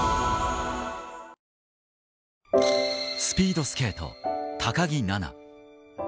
スピードスケート、高木菜那。